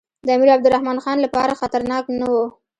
د امیر عبدالرحمن خان لپاره خطرناک نه وو.